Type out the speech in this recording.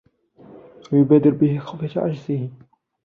وَيُبَادِرَ بِهِ خِيفَةُ عَجْزِهِ